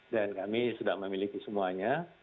dan kami sudah memiliki semuanya